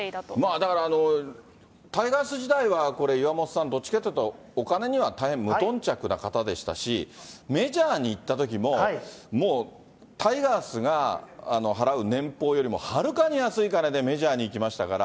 だから、タイガース時代は、これ、岩本さん、どっちかというとお金には大変無頓着な方でしたし、メジャーに行ったときも、もうタイガースが払う年俸よりもはるかに安い金でメジャーに行きましたから。